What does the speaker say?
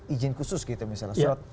izin khusus gitu misalnya